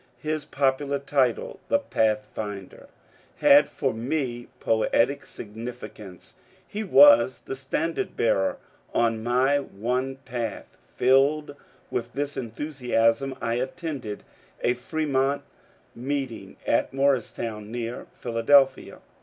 His popular title, ^^ The Pathfinder," had for me poetic sig nificance ; he was the standard bearer on my *' One Path." Filled with this enthusiasm, I attended a Fremont meeting at Morristown, near Philadelphia.